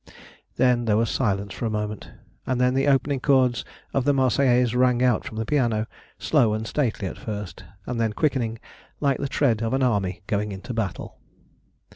Then there was silence for a moment, and then the opening chords of the "Marseillaise" rang out from the piano, slow and stately at first, and then quickening like the tread of an army going into battle.